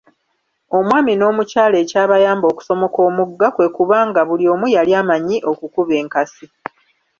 Omwami n’omukyala ekyabayamba okusomoka omugga kwe kuba nga buli omu yali amanyi okukuba enkasi.